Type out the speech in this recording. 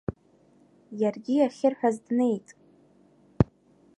Иаргьы иахьырҳәаз днеит.